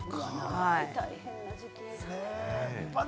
大変な時期にね。